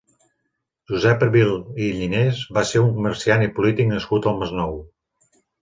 Josep Abril i Llinés va ser un comerciant i polític nascut al Masnou.